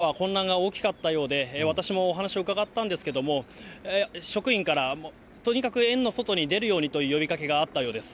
やはり当初は、混乱が大きかったようで、私もお話を伺ったんですけれども、職員から、とにかく園の外に出るようにという呼びかけがあったようです。